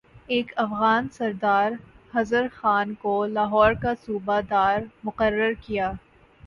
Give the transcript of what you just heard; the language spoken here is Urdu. ایک افغان سردار خضر خان کو لاہور کا صوبہ دار مقرر کیا